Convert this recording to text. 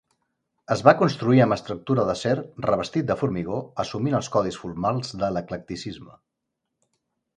Es va construir amb estructura d'acer, revestit de formigó, assumint els codis formals de l'eclecticisme.